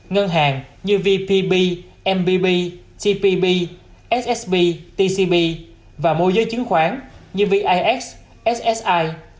ngân hàng như vpb mbb tpb ssb tcb và môi giới chứng khoán như vix ssi